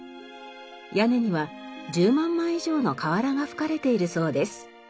屋根には１０万枚以上の瓦がふかれているそうです。